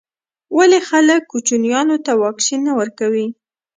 ولي خلګ کوچنیانو ته واکسین نه ورکوي.